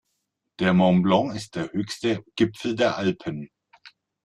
Der Mont Blanc ist der höchste Gipfel der Alpen.